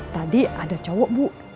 tadi ada cowok bu